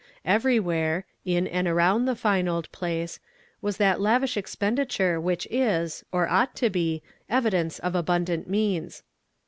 Everywhere, in and around the fine old place, was that lavish expenditure which is, or ought to be, evidence of abundant means.